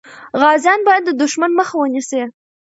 غازیان باید د دښمن مخه ونیسي.